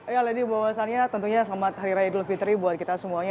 ya lady bahwasannya tentunya selamat hari raya idul fitri buat kita semuanya